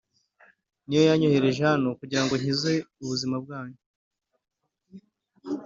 Ni yo yanyohereje hano kugira ngo nkize ubuzima bwanyu